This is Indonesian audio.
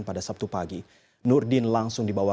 pada sabtu pagi nurdin langsung dibawa